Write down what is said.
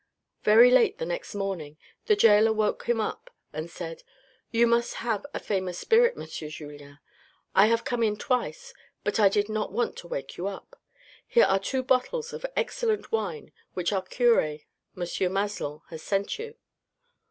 Very late the next morning the gaoler woke him up and said, " You must have a famous spirit, M. Julien. I have 47© THE RED AND THE BLACK come in twice, but I did not want to wake you up. Here are two bottles of excellent wine which our cure, M. Maslon, has sent you."